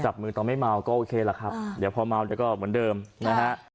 จับมือตอนไม่เมาก็โอเคล่ะครับเดี๋ยวพอเมาเดี๋ยวก็เหมือนเดิมนะฮะ